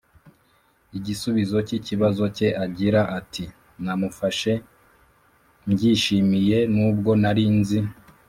igisubizo cy ikibazo cye Agira ati Namufashe mbyishimiye n ubwo nari nzi